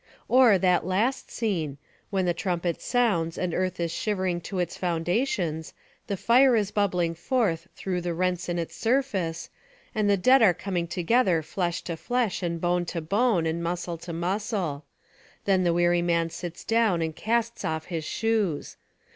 Or, that last scene, when the trumpet sounds and earth is shivering to its foundations, the fire is bubbling forth through the rents in its surface, and the dead are coming together flesh to flesh, and bone to bone, and muscle to muscle then the weary man sits down and casts off his shoes!